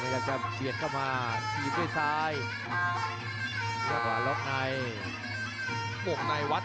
เจอสายครับนี่แหละครับเป็นมวยซ้ายจักครับดักจังหวะดี